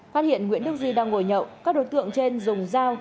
phát hiện nguyễn đức duy đang ngồi nhậu các đối tượng trên dùng dao